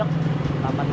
maksudnya sepi banget